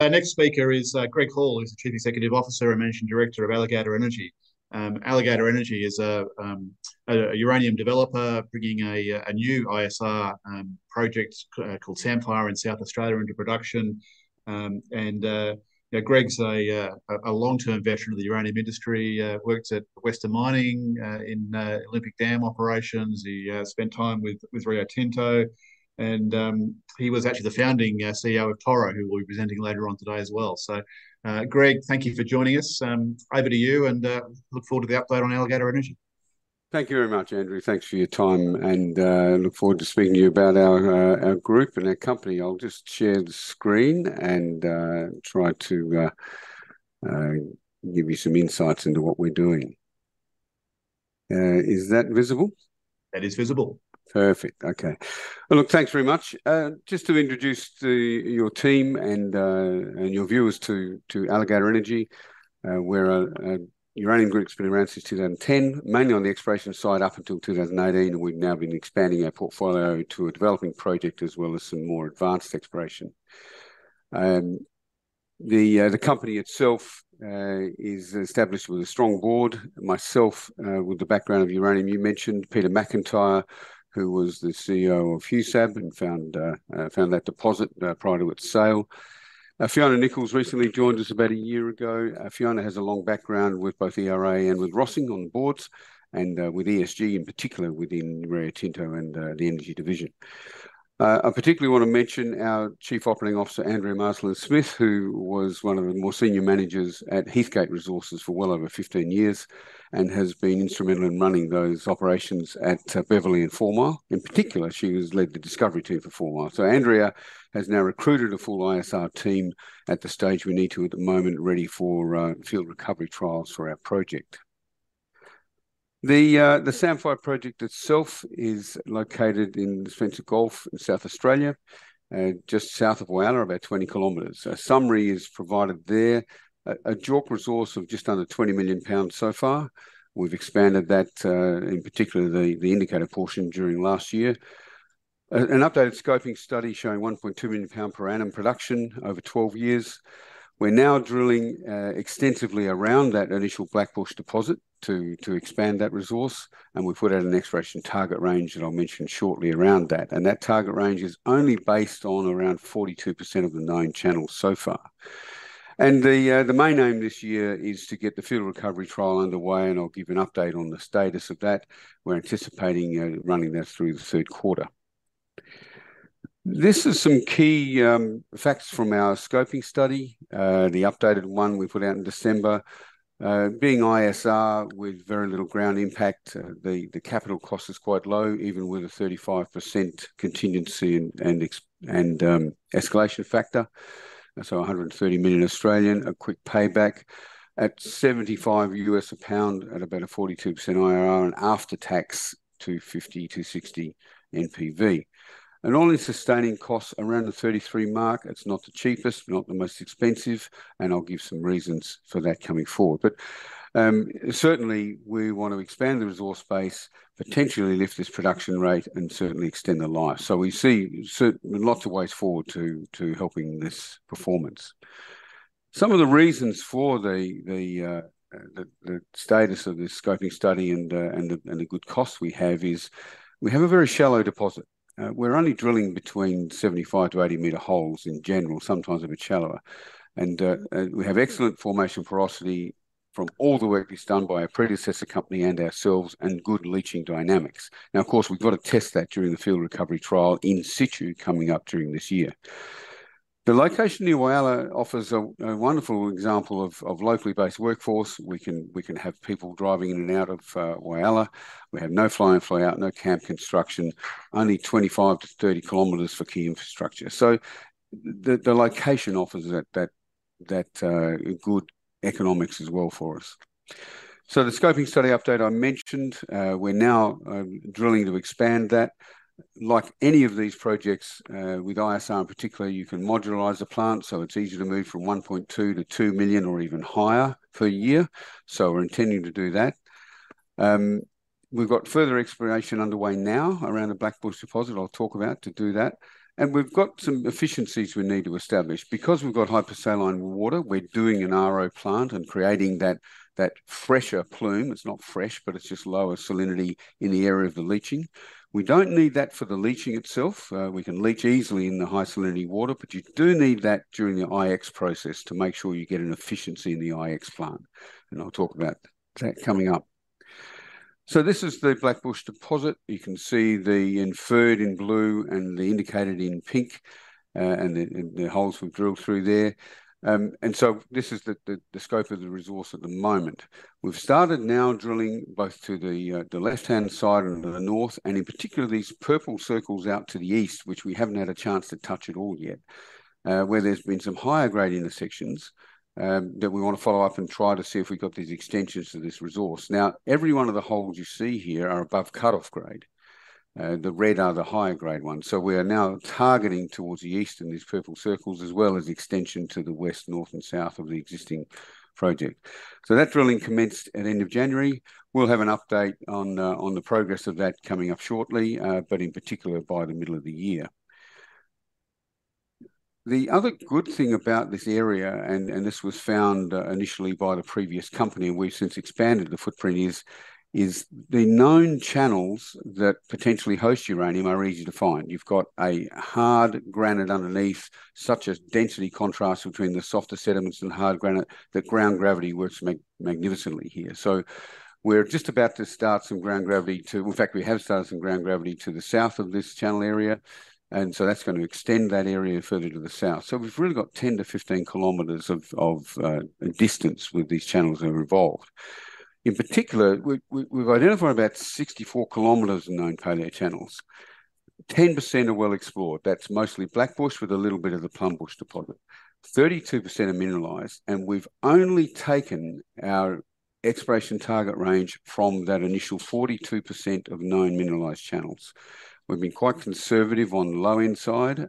Next speaker is Greg Hall, who's the Chief Executive Officer and Managing Director of Alligator Energy. Alligator Energy is a uranium developer bringing a new ISR project called Samphire in South Australia into production. Greg's a long-term veteran of the uranium industry, worked at Western Mining in Olympic Dam operations. He spent time with Rio Tinto, and he was actually the founding CEO of Toro, who we'll be presenting later on today as well. Greg, thank you for joining us. Over to you, and look forward to the update on Alligator Energy. Thank you very much, Andrew. Thanks for your time, and look forward to speaking to you about our group and our company. I'll just share the screen and try to give you some insights into what we're doing. Is that visible? That is visible. Perfect. Okay. Look, thanks very much. Just to introduce your team and your viewers to Alligator Energy, we're a uranium group that's been around since 2010, mainly on the exploration side up until 2018, and we've now been expanding our portfolio to a developing project as well as some more advanced exploration. The company itself is established with a strong board, myself with the background of uranium you mentioned, Peter McIntyre, who was the CEO of Husab and found that deposit prior to its sale. Fiona Nicholls recently joined us about a year ago. Fiona has a long background with both ERA and with Rössing on the boards, and with ESG in particular within Rio Tinto and the energy division. I particularly want to mention our Chief Operating Officer, Andrea Marsland-Smith, who was one of the more senior managers at Heathgate Resources for well over 15 years and has been instrumental in running those operations at Beverley and Four Mile. In particular, she has led the discovery team for Four Mile. So, Andrea has now recruited a full ISR team at the stage we need to at the moment, ready for field recovery trials for our project. The Samphire project itself is located in the Spencer Gulf in South Australia, just south of Whyalla, about 20 kilometres. A summary is provided there: a JORC resource of just under 20 million pounds so far. We've expanded that, in particular the indicated portion, during last year. An updated scoping study showing 1.2 million per annum production over 12 years. We're now drilling extensively around that initial Blackbush deposit to expand that resource, and we've put out an exploration target range that I'll mention shortly around that. That target range is only based on around 42% of the known channels so far. The main aim this year is to get the field recovery trial underway, and I'll give an update on the status of that. We're anticipating running that through the third quarter. This is some key facts from our scoping study, the updated one we put out in December. Being ISR with very little ground impact, the capital cost is quite low, even with a 35% contingency and escalation factor. 130 million, a quick payback at $75 at about a 42% IRR and after-tax 250-260 million NPV. All in sustaining costs around the $33 mark. It's not the cheapest, not the most expensive, and I'll give some reasons for that coming forward. But certainly, we want to expand the resource base, potentially lift this production rate, and certainly extend the life. So, we see lots of ways forward to helping this performance. Some of the reasons for the status of this scoping study and the good costs we have is we have a very shallow deposit. We're only drilling between 75-80 meter holes in general, sometimes a bit shallower. And we have excellent formation porosity from all the work that's done by our predecessor company and ourselves, and good leaching dynamics. Now, of course, we've got to test that during the field recovery trial in situ coming up during this year. The location near Whyalla offers a wonderful example of locally based workforce. We can have people driving in and out of Whyalla. We have no fly-in, fly-out, no camp construction, only 25-30 kilometers for key infrastructure. So, the location offers that good economics as well for us. So, the scoping study update I mentioned, we're now drilling to expand that. Like any of these projects, with ISR in particular, you can modularize the plant, so it's easier to move from 1.2-2 million or even higher per year. So, we're intending to do that. We've got further exploration underway now around the Blackbush deposit. I'll talk about to do that. And we've got some efficiencies we need to establish. Because we've got hypersaline water, we're doing an RO plant and creating that fresher plume. It's not fresh, but it's just lower salinity in the area of the leaching. We don't need that for the leaching itself. We can leach easily in the high salinity water, but you do need that during the IX process to make sure you get an efficiency in the IX plant. And I'll talk about that coming up. So, this is the Blackbush deposit. You can see the inferred in blue and the indicated in pink and the holes we've drilled through there. And so, this is the scope of the resource at the moment. We've started now drilling both to the left-hand side and the north, and in particular these purple circles out to the east, which we haven't had a chance to touch at all yet, where there's been some higher-grade intersections that we want to follow up and try to see if we've got these extensions to this resource. Now, every one of the holes you see here are above cutoff grade. The red are the higher-grade ones. So, we are now targeting towards the east in these purple circles as well as extension to the west, north, and south of the existing project. So, that drilling commenced at the end of January. We'll have an update on the progress of that coming up shortly, but in particular by the middle of the year. The other good thing about this area, and this was found initially by the previous company and we've since expanded the footprint, is the known channels that potentially host uranium are easy to find. You've got a hard granite underneath, such as density contrast between the softer sediments and hard granite, that ground gravity works magnificently here. So, we're just about to start some ground gravity to in fact, we have started some ground gravity to the south of this channel area, and so that's going to extend that area further to the south. So, we've really got 10-15 kilometers of distance with these channels that are involved. In particular, we've identified about 64 kilometers of known paleochannel. 10% are well explored. That's mostly Blackbush with a little bit of the Plumbush deposit. 32% are mineralised, and we've only taken our exploration target range from that initial 42% of known mineralised channels. We've been quite conservative on the low-end side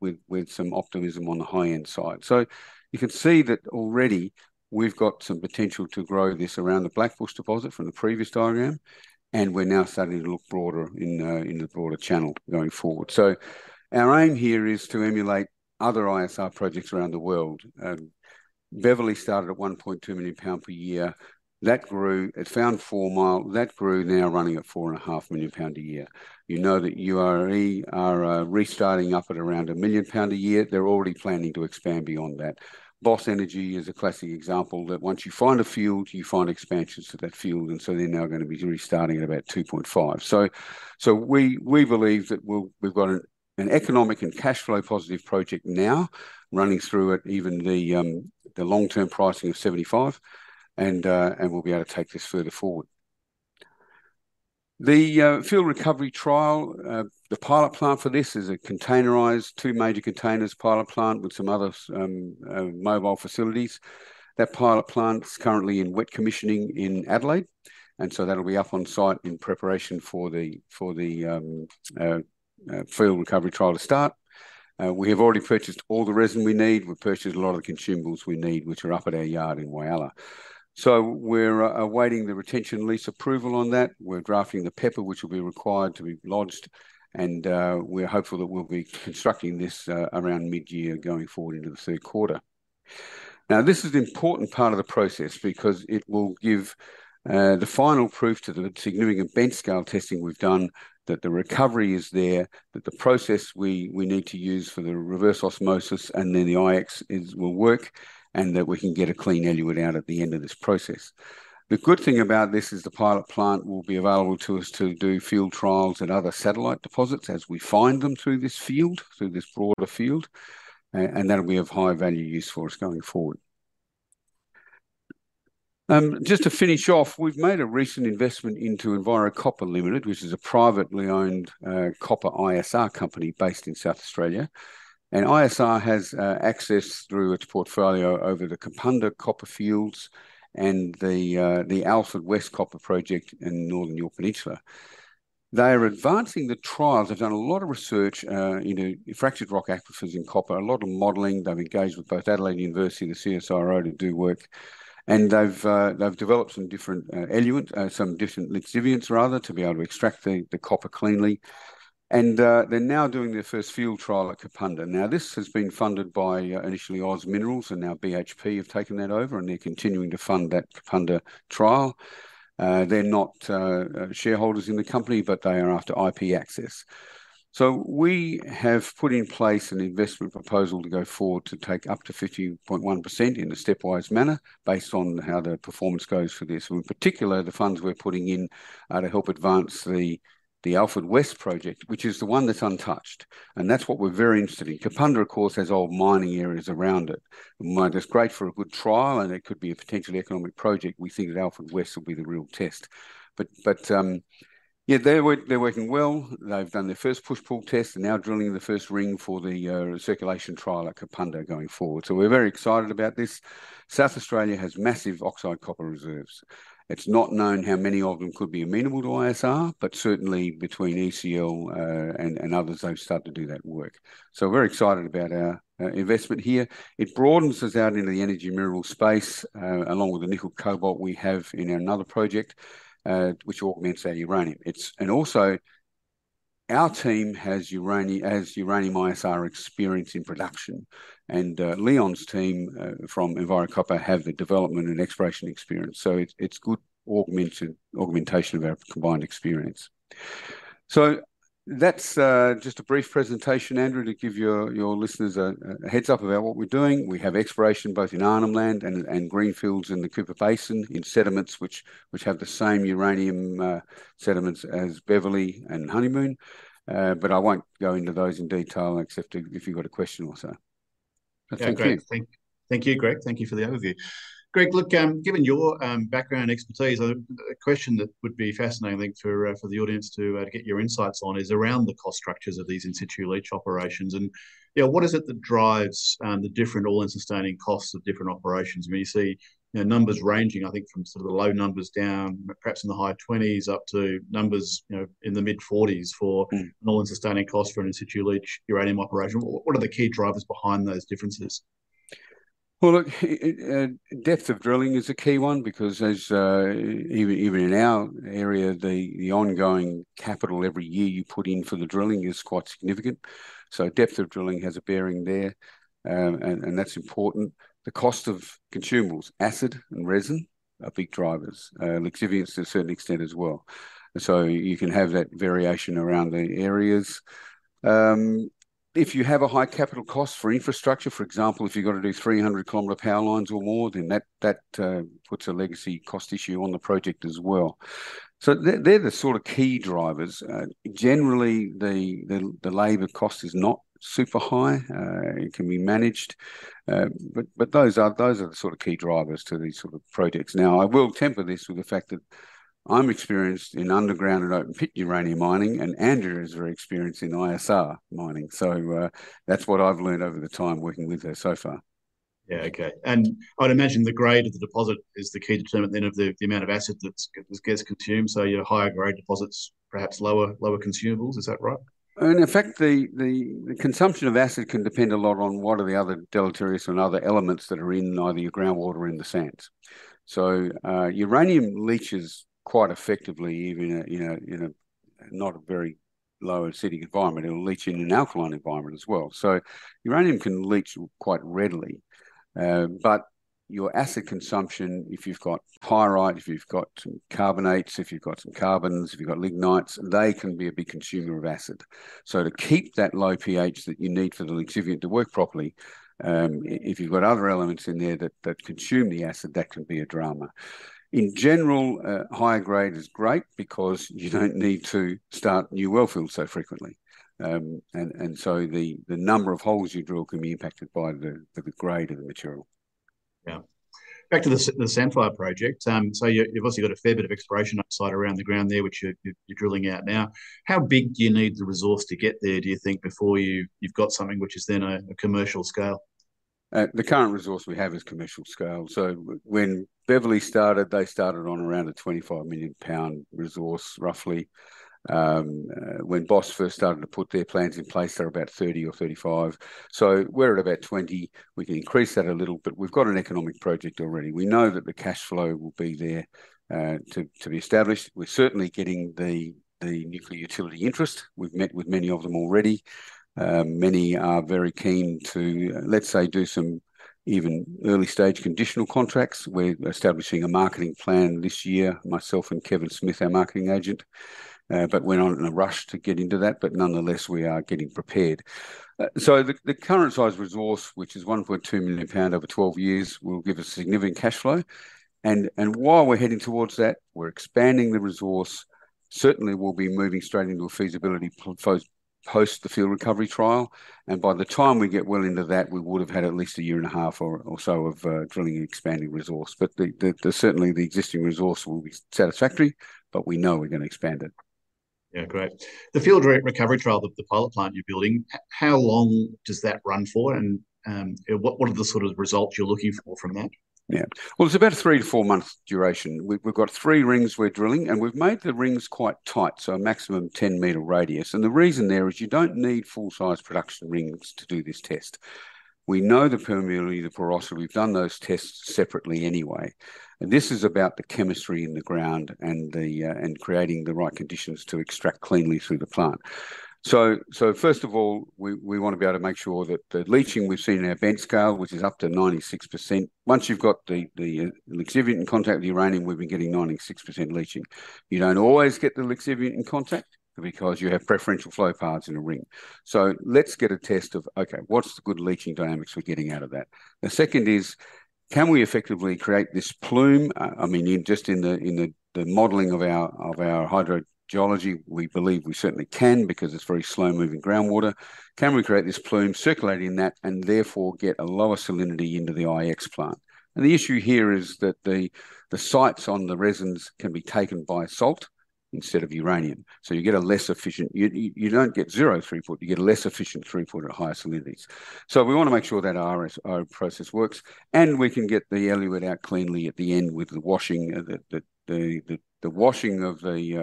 with some optimism on the high-end side. So, you can see that already we've got some potential to grow this around the Blackbush deposit from the previous diagram, and we're now starting to look broader in the broader channel going forward. So, our aim here is to emulate other ISR projects around the world. Beverley started at 1.2 million pound per year. That grew. It found Four Mile. That grew, now running at 4.5 million pound a year. You know that URE are restarting up at around 1 million pound a year. They're already planning to expand beyond that. Boss Energy is a classic example that once you find a field, you find expansions to that field, and so they're now going to be restarting at about 2.5. So, we believe that we've got an economic and cash flow positive project now running through at even the long-term pricing of $75, and we'll be able to take this further forward. The field recovery trial, the pilot plant for this is a containerized, two major containers pilot plant with some other mobile facilities. That pilot plant's currently in wet commissioning in Adelaide, and so that'll be up on site in preparation for the field recovery trial to start. We have already purchased all the resin we need. We've purchased a lot of the consumables we need, which are up at our yard in Whyalla. We're awaiting the retention lease approval on that. We're drafting the PEPR, which will be required to be lodged, and we're hopeful that we'll be constructing this around mid-year going forward into the third quarter. Now, this is an important part of the process because it will give the final proof to the significant bench-scale testing we've done that the recovery is there, that the process we need to use for the reverse osmosis and then the IX will work, and that we can get a clean eluate out at the end of this process. The good thing about this is the pilot plant will be available to us to do field trials at other satellite deposits as we find them through this field, through this broader field, and that'll be of high value use for us going forward. Just to finish off, we've made a recent investment into Enviro Copper Ltd, which is a privately owned copper ISR company based in South Australia. It has access through its portfolio over the Kapunda Copper Fields and the Alford West Copper Project in Northern Yorke Peninsula. They are advancing the trials. They've done a lot of research into fractured rock aquifers in copper, a lot of modeling. They've engaged with both University of Adelaide and the CSIRO to do work. They've developed some different eluate, some different lixiviants, rather, to be able to extract the copper cleanly. They're now doing their first field trial at Kapunda. Now, this has been funded by initially OZ Minerals, and now BHP have taken that over, and they're continuing to fund that Kapunda trial. They're not shareholders in the company, but they are after IP access. So, we have put in place an investment proposal to go forward to take up to 50.1% in a stepwise manner based on how the performance goes for this. And in particular, the funds we're putting in are to help advance the Alford West project, which is the one that's untouched. And that's what we're very interested in. Kapunda, of course, has old mining areas around it. It's great for a good trial, and it could be a potentially economic project. We think that Alford West will be the real test. But yeah, they're working well. They've done their first push-pull test and now drilling the first ring for the circulation trial at Kapunda going forward. So, we're very excited about this. South Australia has massive oxide copper reserves. It's not known how many of them could be amenable to ISR, but certainly between ECL and others, they've started to do that work. So, we're excited about our investment here. It broadens us out into the energy mineral space along with the nickel cobalt we have in another project, which augments our uranium. And also, our team has uranium ISR experience in production, and Leon's team from Enviro Copper have the development and exploration experience. So, it's good augmentation of our combined experience. So, that's just a brief presentation, Andrew, to give your listeners a heads-up about what we're doing. We have exploration both in Arnhem Land and greenfields in the Cooper Basin in sediments, which have the same uranium sediments as Beverley and Honeymoon. But I won't go into those in detail except if you've got a question or so. Thank you. Thank you, Greg. Thank you for the overview. Greg, look, given your background and expertise, a question that would be fascinating, I think, for the audience to get your insights on is around the cost structures of these in-situ leach operations. And what is it that drives the different all-in-sustaining costs of different operations? I mean, you see numbers ranging, I think, from sort of the low numbers down, perhaps in the high 20s, up to numbers in the mid-40s for an all-in-sustaining cost for an in-situ leach uranium operation. What are the key drivers behind those differences? Well, look, depth of drilling is a key one because, as even in our area, the ongoing capital every year you put in for the drilling is quite significant. So, depth of drilling has a bearing there, and that's important. The cost of consumables, acid and resin, are big drivers. Lixiviants to a certain extent as well. So, you can have that variation around the areas. If you have a high capital cost for infrastructure, for example, if you've got to do 300-kilometer power lines or more, then that puts a legacy cost issue on the project as well. So, they're the sort of key drivers. Generally, the labor cost is not super high. It can be managed. But those are the sort of key drivers to these sort of projects. Now, I will temper this with the fact that I'm experienced in underground and open-pit uranium mining, and Andrew is very experienced in ISR mining. So, that's what I've learned over the time working with her so far. Yeah, OK. And I'd imagine the grade of the deposit is the key determinant, then, of the amount of acid that gets consumed. So, you know, higher-grade deposits, perhaps lower consumables. Is that right? In fact, the consumption of acid can depend a lot on what are the other deleterious and other elements that are in either your groundwater or in the sands. So, uranium leaches quite effectively even in a not a very low acidic environment. It'll leach in an alkaline environment as well. So, uranium can leach quite readily. But your acid consumption, if you've got pyrite, if you've got some carbonates, if you've got some carbons, if you've got lignites, they can be a big consumer of acid. So, to keep that low pH that you need for the lixiviant to work properly, if you've got other elements in there that consume the acid, that can be a drama. In general, higher grade is great because you don't need to start new wellfields so frequently. So, the number of holes you drill can be impacted by the grade of the material. Yeah. Back to the Samphire project. So, you've obviously got a fair bit of exploration upside around the ground there, which you're drilling out now. How big do you need the resource to get there, do you think, before you've got something which is then a commercial scale? The current resource we have is commercial scale. So, when Beverley started, they started on around a 25 million pound resource, roughly. When Boss first started to put their plans in place, they were about 30 or 35. So, we're at about 20. We can increase that a little, but we've got an economic project already. We know that the cash flow will be there to be established. We're certainly getting the nuclear utility interest. We've met with many of them already. Many are very keen to, let's say, do some even early-stage conditional contracts. We're establishing a marketing plan this year. Myself and Kevin Smith, our marketing agent, went on in a rush to get into that, but nonetheless, we are getting prepared. So, the current-size resource, which is 1.2 million pounds over 12 years, will give us significant cash flow. And while we're heading towards that, we're expanding the resource. Certainly, we'll be moving straight into a feasibility post the field recovery trial. By the time we get well into that, we would have had at least a year and a half or so of drilling and expanding resource. Certainly, the existing resource will be satisfactory, but we know we're going to expand it. Yeah, great. The field recovery trial, the pilot plant you're building, how long does that run for, and what are the sort of results you're looking for from that? Yeah. Well, it's about a 3- to 4-month duration. We've got three rings we're drilling, and we've made the rings quite tight, so a maximum 10-meter radius. The reason there is you don't need full-size production rings to do this test. We know the permeability, the porosity. We've done those tests separately anyway. This is about the chemistry in the ground and creating the right conditions to extract cleanly through the plant. So, first of all, we want to be able to make sure that the leaching we've seen in our bench scale, which is up to 96%. Once you've got the lixiviant in contact with the uranium, we've been getting 96% leaching. You don't always get the lixiviant in contact because you have preferential flow paths in a ring. So, let's get a test of, OK, what's the good leaching dynamics we're getting out of that? The second is, can we effectively create this plume? I mean, just in the modeling of our hydrogeology, we believe we certainly can because it's very slow-moving groundwater. Can we create this plume circulating that and therefore get a lower salinity into the IX plant? The issue here is that the sites on the resins can be taken by salt instead of uranium. So, you get a less efficient—you don't get zero throughput. You get a less efficient throughput at higher salinities. So, we want to make sure that RO process works, and we can get the eluate out cleanly at the end with the washing of the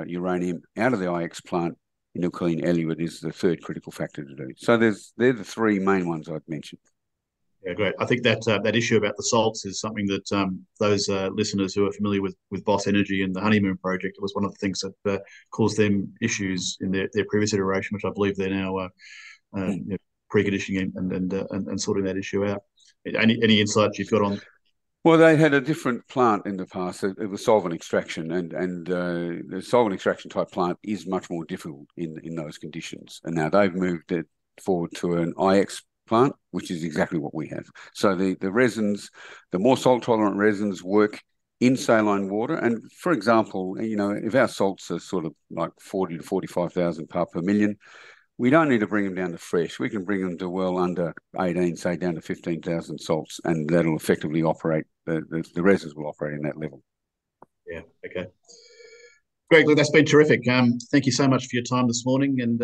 uranium out of the IX plant. A clean eluate is the third critical factor. So, they're the three main ones I'd mentioned. Yeah, great. I think that issue about the salts is something that those listeners who are familiar with Boss Energy and the Honeymoon project, it was one of the things that caused them issues in their previous iteration, which I believe they're now preconditioning and sorting that issue out. Any insights you've got on? Well, they had a different plant in the past. It was solvent extraction, and the solvent extraction type plant is much more difficult in those conditions. And now they've moved forward to an IX plant, which is exactly what we have. So, the resins, the more salt-tolerant resins work in saline water. And for example, you know if our salts are sort of like 40,000-45,000 parts per million, we don't need to bring them down to fresh. We can bring them to well under 18,000, say down to 15,000 salts, and that'll effectively operate the resins will operate in that level. Yeah, OK. Greg, look, that's been terrific. Thank you so much for your time this morning and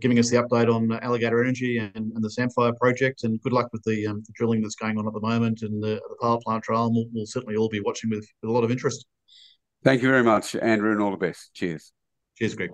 giving us the update on Alligator Energy and the Samphire project. And good luck with the drilling that's going on at the moment and the pilot plant trial. We'll certainly all be watching with a lot of interest. Thank you very much, Andrew, and all the best. Cheers. Cheers, Greg.